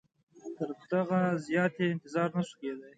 تر دغه زیات یې انتظار نه سو کېدلای.